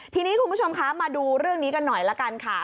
ทีนี้คุณผู้ชมคะมาดูเรื่องนี้กันหน่อยละกันค่ะ